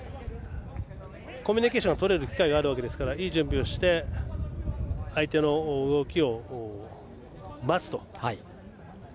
コミュニケーションがとれる機会があるわけですからいい準備して、相手の動きを待つという。